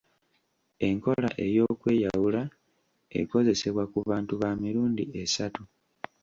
Enkola ey’okweyawula ekozesebwa ku bantu ba mirundi esatu.